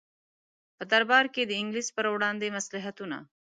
په دربار کې د انګلیس پر وړاندې مصلحتونه.